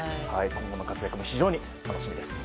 今後の活躍も非常に楽しみです。